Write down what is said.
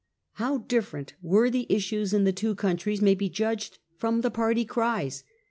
How different were the issues in the two countries may be judged from the party cries.